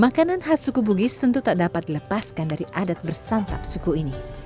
makanan khas suku bugis tentu tak dapat dilepaskan dari adat bersantap suku ini